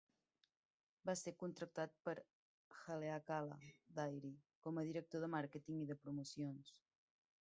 Va ser contractat per Haleakala Dairy com a director de màrqueting i de promocions.